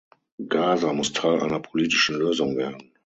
Gaza muss Teil einer politischen Lösung werden.